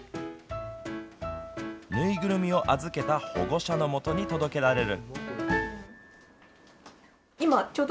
縫いぐるみを預けた保護者の元に届けられる。